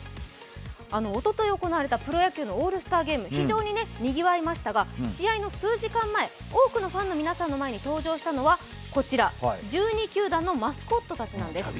おととい行われたプロ野球のオールスターゲーム、非常ににぎわいましたが、試合の数時間前、多くのファンの皆さんの前に登場したのはこちら、１２球団のマスコットたちなんです。